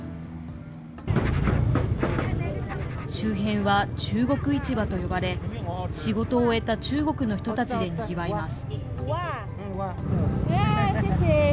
周辺は中国市場と呼ばれ、仕事を終えた中国の人たちでにぎわいます。